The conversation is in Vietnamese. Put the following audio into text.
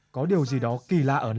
có điều gì đó kỳ lạ ở hồ lúc nét